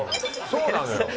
そうなのよ。